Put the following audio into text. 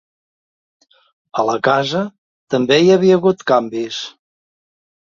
A la casa també hi havia hagut canvis